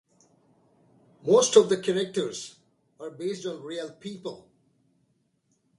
Most of the characters are based on real people.